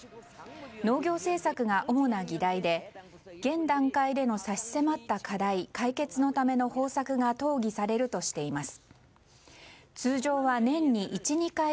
農業政策が主な議題で現段階での差し迫った課題解決のための方策が討議されるとしています。